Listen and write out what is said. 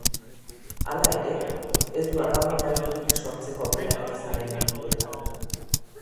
Hala ere, ez du abagune argirik sortzeko aukerarik izan lehen minutuetan.